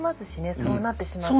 そうなってしまった。